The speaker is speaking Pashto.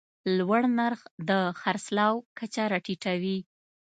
لوړ نرخ د خرڅلاو کچه راټیټوي.